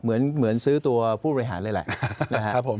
เหมือนซื้อตัวผู้บริหารเลยแหละนะครับผม